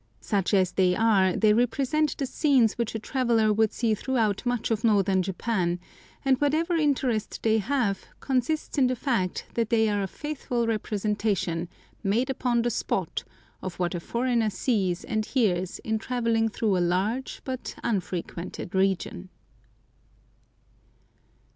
Such as they are, they represent the scenes which a traveller would see throughout much of northern Japan, and whatever interest they have consists in the fact that they are a faithful representation, made upon the spot, of what a foreigner sees and hears in travelling through a large but unfrequented region.